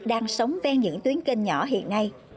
đang sống ven những tuyến kênh nhỏ hiện nay